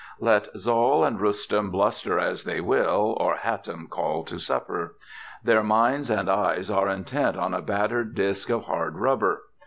Let Zal and Rustum bluster as they will, Or Hatim call to supper.... Their minds and eyes are intent on a battered disk of hard rubber.